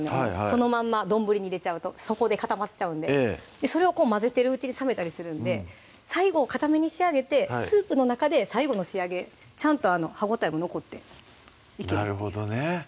そのまんま丼に入れちゃうと底で固まっちゃうんでそれをこう混ぜてるうちに冷めたりするんで最後かために仕上げてスープの中で最後の仕上げちゃんと歯応えも残っていけるなるほどね